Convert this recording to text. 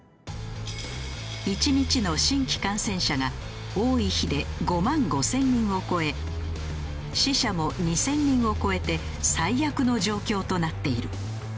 １日の新規感染者が多い日で５万５０００人を超え死者も２０００人を超えて最悪の状況となっている。